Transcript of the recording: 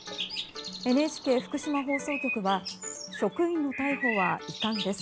ＮＨＫ福島放送局は職員の逮捕は遺憾です。